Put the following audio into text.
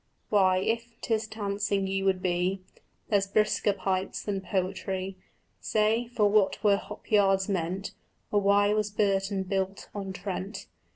Why, if 'tis dancing you would be, There's brisker pipes than poetry. Say, for what were hop yards meant, Or why was Burton built on Trent?